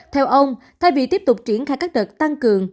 theo ông thay vì tiếp tục triển khai các đợt tăng cường